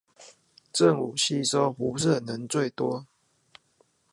正午吸收輻射能最多